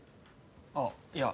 あっいや